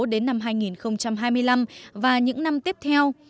đến năm hai nghìn hai mươi năm và những năm tiếp theo